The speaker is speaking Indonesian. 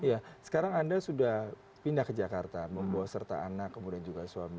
iya sekarang anda sudah pindah ke jakarta membawa serta anak kemudian juga suami